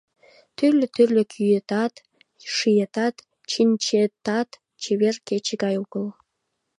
Тӱрлӧ-тӱрлӧ кӱэтат, шиетат, чинчетат чевер кече гай огыл.